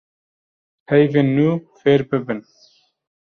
peyvên nû fêr bibin